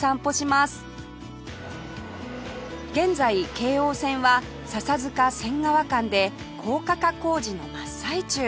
現在京王線は笹塚仙川間で高架化工事の真っ最中